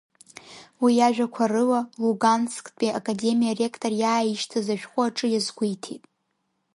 Уи иажәақәа рыла, Лугансктәи Академиа аректор иааишьҭыз ашәҟәы аҿы иазгәеиҭеит…